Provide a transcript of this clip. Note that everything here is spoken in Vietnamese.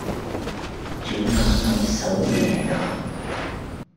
Chúng nó nói xấu mẹ đó